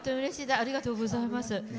ありがとうございます。